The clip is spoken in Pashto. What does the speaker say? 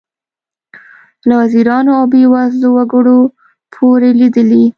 له وزیرانو او بې وزلو وګړو پورې لیدلي.